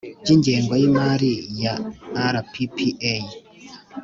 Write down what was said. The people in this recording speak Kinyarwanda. By ingengo y imari ya rppa